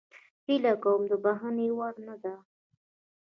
هیله کوم د بخښنې وړ نه ده